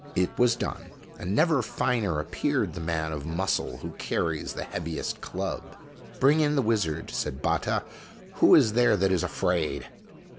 O It was done, and never finer appeared the man of muscle who carries the heaviest club. "Bring in the wizard," said Batta, "who is there that is afraid